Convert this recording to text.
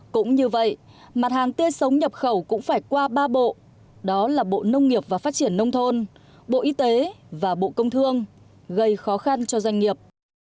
cũng như vậy mặt hàng tươi sống nhập khẩu cũng phải qua ba bộ đó là bộ nông nghiệp và phát triển nông thôn bộ y tế và bộ công thương gây khó khăn cho doanh nghiệp